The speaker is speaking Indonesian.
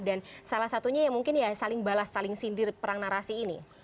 dan salah satunya ya mungkin ya saling balas saling sindir perang narasi ini